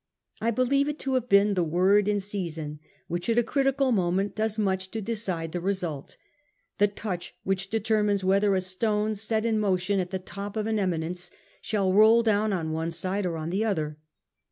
I believe it to have been the word in season which at a critical moment does much to decide the result ; the touch which determines whether a stone set in motion at the top of an eminence shall roll down on one side or on the other.